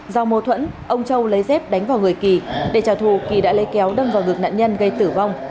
do mâu thuẫn ông châu lấy dép đánh vào người kỳ để trả thù kỳ đã lấy kéo đâm vào ngực nạn nhân gây tử vong